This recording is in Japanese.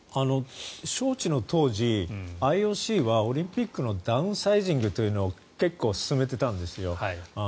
招致の当時ＩＯＣはオリンピックのダウンサイジングというのを結構、進めていたんですよ。